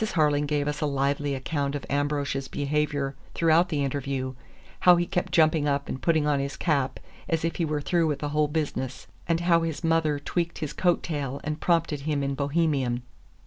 Harling gave us a lively account of Ambrosch's behavior throughout the interview; how he kept jumping up and putting on his cap as if he were through with the whole business, and how his mother tweaked his coat tail and prompted him in Bohemian.